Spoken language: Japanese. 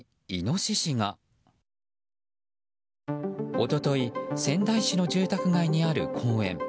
一昨日仙台市の住宅街にある公園。